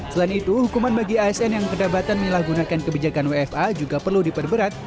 selain itu hukuman bagi asn yang kedapatan menyalahgunakan kebijakan wfa juga perlu diperberat